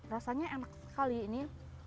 rasanya enak sekali ini